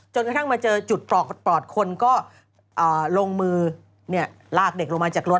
กระทั่งมาเจอจุดปลอดคนก็ลงมือลากเด็กลงมาจากรถ